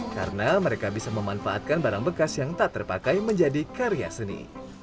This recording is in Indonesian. karena mereka bisa memanfaatkan barang bekas yang tak terpakai menjadi karya seni